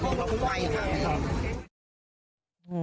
ก็รองไวอ่ะครับ